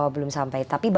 oh belum sampai